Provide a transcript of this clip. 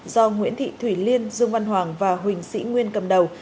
do nguyễn thị thủy liên dương văn hoàng và huỳnh sĩ nguyên cầm đầu